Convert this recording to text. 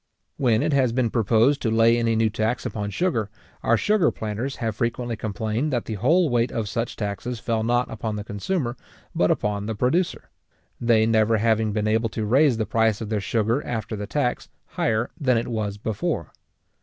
When it has been proposed to lay any new tax upon sugar, our sugar planters have frequently complained that the whole weight of such taxes fell not upon the consumer, but upon the producer; they never having been able to raise the price of their sugar after the tax higher than it was before.